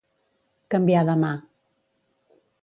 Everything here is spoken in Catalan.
Canviar de mà.